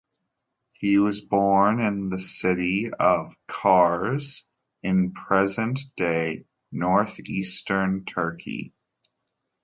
He was born in the city of Kars in present-day north-eastern Turkey.